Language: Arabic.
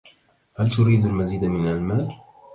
هل تريد المزيد من المال؟